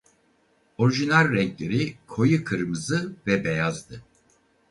Orijinal renkleri koyu kırmızı ve beyazdı.